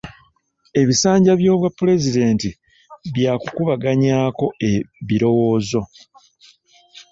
Ebisanja by'obwa pulezidenti byakukubaganyako birowoozo.